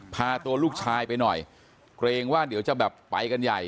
พาตัวลูกชายไปหน่อยเกรงว่าเดี๋ยวจะแบบไปกันใหญ่